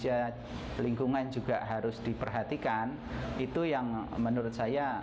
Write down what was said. akan bersih tentu saja